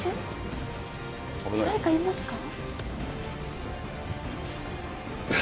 誰かいますか？